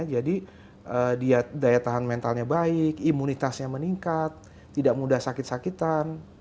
jadi dia daya tahan mentalnya baik imunitasnya meningkat tidak mudah sakit sakitan